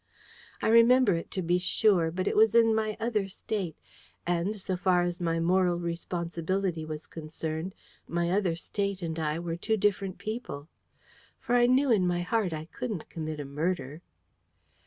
I remember it, to be sure; but it was in my Other State: and, so far as my moral responsibility was concerned, my Other State and I were two different people. For I knew in my heart I couldn't commit a murder.